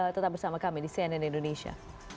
tetap bersama kami di cnn indonesia